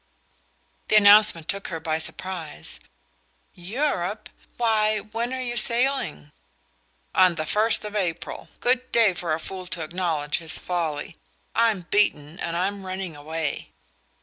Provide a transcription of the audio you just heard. The announcement took her by surprise. "Europe? Why, when are you sailing?" "On the first of April: good day for a fool to acknowledge his folly. I'm beaten, and I'm running away."